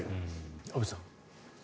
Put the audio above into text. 安部さん。